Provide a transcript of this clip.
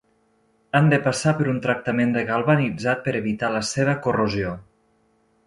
Han de passar per un tractament de galvanitzat per evitar la seva corrosió.